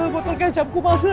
botol kecap gua pake ya